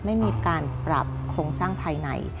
ไม่มีการปรับโครงสร้างภายใน